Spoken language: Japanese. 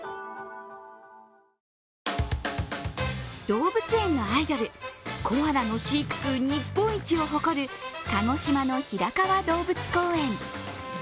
動物園のアイドル、コアラの飼育数日本一を誇る鹿児島の平川動物公園。